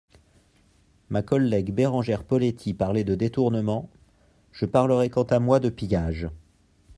Ma collègue Berengère Poletti parlait de détournement, je parlerai quant à moi de pillage.